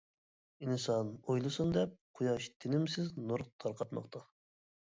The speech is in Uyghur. ئىنسان ئويلىسۇن دەپ قۇياش تىنىمسىز نۇر تارقاتماقتا.